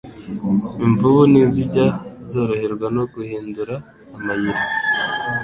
imvubu ntizijya zoroherwa no guhindura amayira.